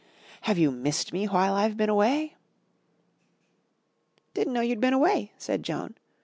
"Have you missed me while I've been away?" "Didn't know you'd been away," said Joan.